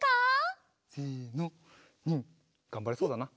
がんばれそうだな。